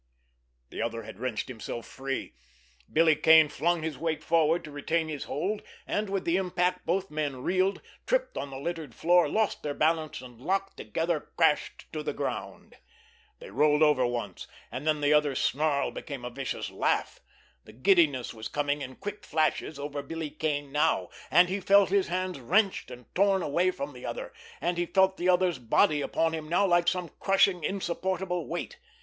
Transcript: The other had wrenched himself free. Billy Kane flung his weight forward to retain his hold, and with the impact both men reeled, tripped on the littered floor, lost their balance, and, locked together, crashed to the ground. They rolled over once, and then the other's snarl became a vicious laugh. The giddiness was coming in quick flashes over Billy Kane now, and he felt his hands wrenched and torn away from the other, and he felt the other's body upon him now like some crushing, insupportable weight.